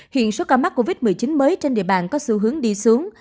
hiện số ca mắc covid một mươi chín mới trên địa bàn có xu hướng đi xuống